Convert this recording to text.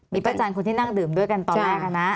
มีพระอาจารย์คนที่นั่งดื่มด้วยกันตอนแรกนะ